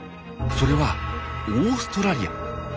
それはオーストラリア。